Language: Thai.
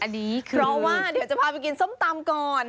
อันนี้เพราะว่าเดี๋ยวจะพาไปกินส้มตำก่อน